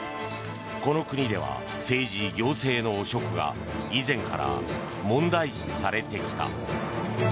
この国では政治・行政の汚職が以前から問題視されてきた。